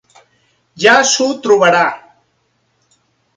Ja s'ho trobarà.